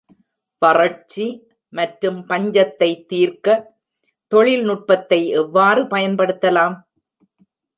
வறட்சி மற்றும் பஞ்சத்தை தீர்க்க தொழில்நுட்பத்தை எவ்வாறு பயன்படுத்தலாம்?